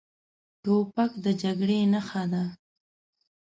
توپک د جګړې نښه ده.